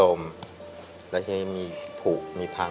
ตอนนี้ครอบคลัวของเราที่เกิดวิกฤตมากในครอบคลัวคืออะไรครับ